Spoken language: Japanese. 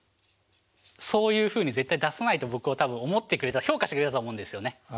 そういうふうに絶対出さないと僕を多分思ってくれた評価してくれたと思うんですよね。